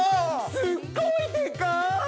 ◆すっごいでかい！